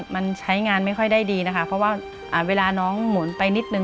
มันใช้งานไม่ค่อยได้ดีนะคะเพราะว่าเวลาน้องหมุนไปนิดนึ